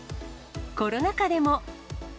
コロナ禍でも。